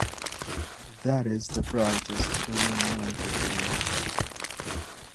That is the brightest full moon night of the year.